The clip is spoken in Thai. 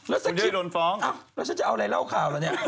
แล้วสักทีโดนฟ้องแล้วฉันจะเอาอะไรเล่าข่าวแล้วเนี่ย